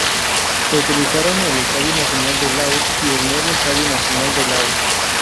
Se utilizaron el Estadio Nacional de Laos y el Nuevo Estadio Nacional de Laos.